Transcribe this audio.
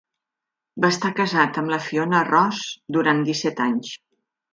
Va estar casat amb la Fiona Ross durant disset anys.